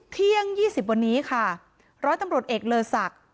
เที่ยง๒๐วันนี้ค่ะร้อยตำรวจเอกเลอศักดิ์